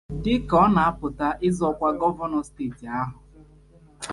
dịka ọ na-apụta ịzọ ọkwa gọvanọ steeti ahụ.